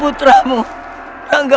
inilah satu mangala